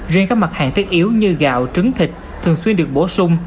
riêng các mặt hàng thiết yếu như gạo trứng thịt thường xuyên được bổ sung